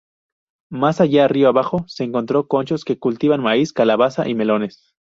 Más allá río abajo, se encontró conchos que cultivaban maíz, calabaza y melones.